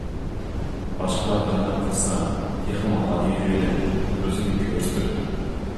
باشقىلار ھۆرمەت قىلسا، تېخىمۇ غادىيىۋېلىپ ئۆزىنى كۆرسىتىدۇ.